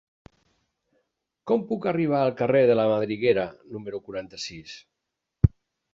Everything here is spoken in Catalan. Com puc arribar al carrer de la Madriguera número quaranta-sis?